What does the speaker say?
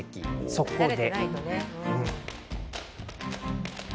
そこで。